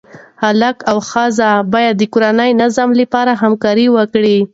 هلک او ښځه باید د کورني نظم لپاره همکاري وکړي.